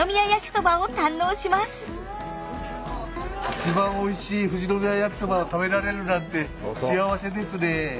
一番おいしい富士宮やきそばを食べられるなんて幸せですね。